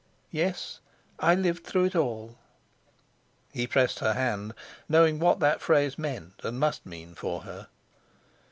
"Yes, I lived through it all." He pressed her hand, knowing what that phrase meant and must mean for her.